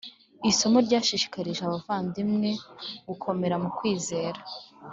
Isomo ryashishikarije abavandimwe gukomera mu kwizera